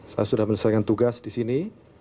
saya sudah menyelesaikan tugas di sini